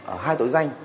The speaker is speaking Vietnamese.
ở hai tội danh